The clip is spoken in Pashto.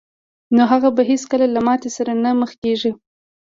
نو هغه به هېڅکله له ماتې سره نه مخ کېږي